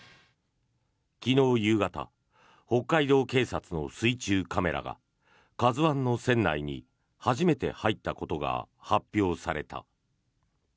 昨日夕方北海道警察の水中カメラが「ＫＡＺＵ１」の船内に初めて入ったことが発表された。